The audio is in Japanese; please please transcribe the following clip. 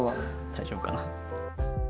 大丈夫かな。